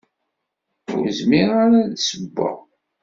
Ur zmireɣ ara ad ssewweɣ.